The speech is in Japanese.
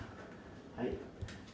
はい。